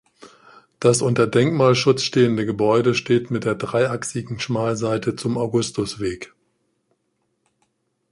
Das unter Denkmalschutz stehende Gebäude steht mit der dreiachsigen Schmalseite zum Augustusweg.